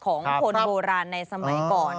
ของคนโบราณในสมัยก่อน